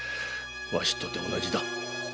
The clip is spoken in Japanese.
わしとて同じだ。